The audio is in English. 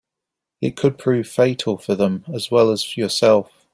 It could prove fatal for them as well as yourself.